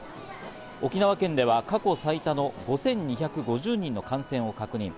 沖縄県では過去最多の５２５０人の感染を確認。